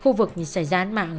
khu vực bị xảy ra án mạng